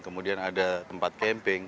kemudian ada tempat camping